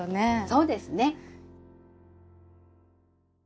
そうですね。